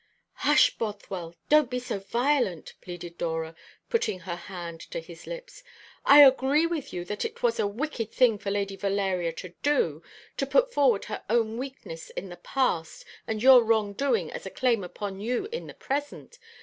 "Hush, Bothwell, don't be so violent," pleaded Dora, putting her hand to his lips. "I agree with you that it was a wicked thing for Lady Valeria to do to put forward her own weakness in the past and your wrong doing as a claim upon you in the present.